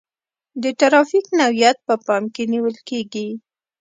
د ترافیک نوعیت په پام کې نیول کیږي